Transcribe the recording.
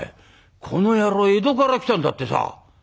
この野郎江戸から来たんだってさ」。